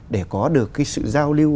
để có được cái sự giao lưu